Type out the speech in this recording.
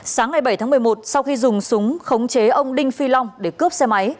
sáng ngày bảy tháng một mươi một sau khi dùng súng khống chế ông đinh phi long để cướp xe máy